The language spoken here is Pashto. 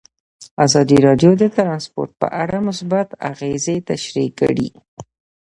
ازادي راډیو د ترانسپورټ په اړه مثبت اغېزې تشریح کړي.